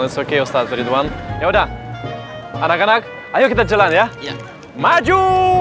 terus oke ustadz ridwan ya udah anak anak ayo kita jalan ya maju